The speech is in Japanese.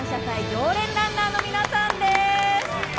常連ランナーの皆さんです。